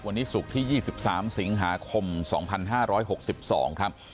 วันนี้ศุกร์ที่๒๓สิงหาคม๒๕๖๒ครับ